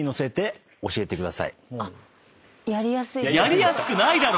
やりやすくないだろ！